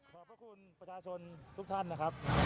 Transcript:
ขอบพระคุณประชาชนทุกท่านนะครับ